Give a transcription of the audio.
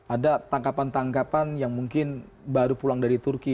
ada tangkapan tangkapan yang mungkin baru pulang dari turki